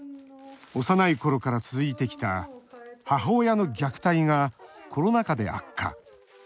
幼いころから続いてきた母親の虐待がコロナ禍で悪化。